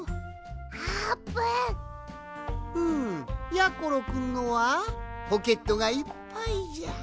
やころくんのはポケットがいっぱいじゃ。